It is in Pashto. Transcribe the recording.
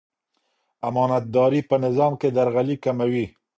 امانتداري په نظام کې درغلي کموي.